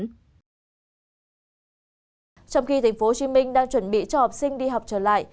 trong khi thành phố hồ chí minh đang chuẩn bị cho học sinh đi học trở lại